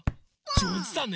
じょうずだね！